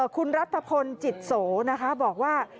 คุณรัฐพลจิตโสนะคะบอกว่า